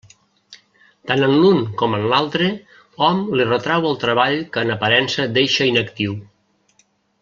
Tant en l'un com en l'altre, hom li retrau el treball que en aparença deixa inactiu.